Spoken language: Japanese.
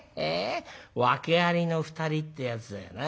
訳ありの２人ってやつだよな。